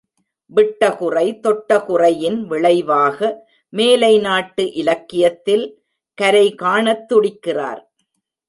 விட்டகுறை தொட்டகுறையின் விளைவாக மேலைநாட்டு இலக்கியத்தில் கரை காணத்துடிக்கிறார்.